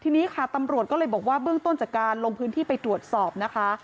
ทีนี้ค่ะตำรวจก็เลยบอกว่าเบื้องต้นจากการลงพื้นที่ไปตรวจสอบนะคะ